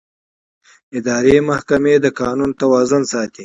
اداري محکمې د قانون توازن ساتي.